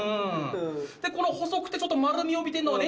でこの細くてちょっと丸み帯びてんのがね